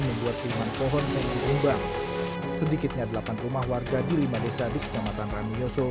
membuat lima pohon sedikitnya delapan rumah warga di lima desa di kecamatan ranggul yoso